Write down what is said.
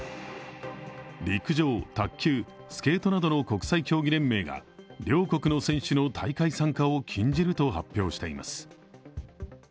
陸上、卓球、スケートなどの国際競技連盟が両国の選手の大会参加を禁じると発表しています。